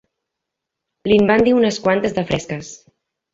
Li'n va dir unes quantes de fresques.